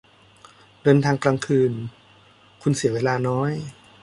เดินทางกลางคืน คุณเสียเวลาน้อย